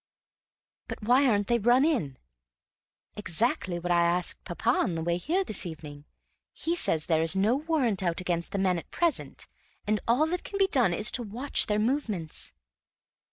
"But why aren't they run in?" "Exactly what I asked papa on the way here this evening; he says there is no warrant out against the men at present, and all that can be done is to watch their movements."